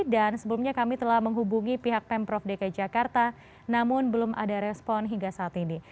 dan sebelumnya kami telah menghubungi pihak pemprov dki jakarta namun belum ada respon hingga saat ini